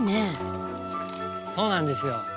そうなんですよ